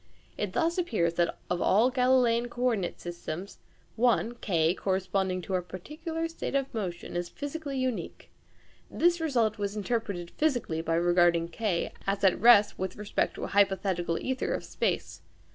It thus appears that, of all Galileian co ordinate systems, one (K) corresponding to a particular state of motion is physically unique. This result was interpreted physically by regarding K as at rest with respect to a hypothetical ćther of space.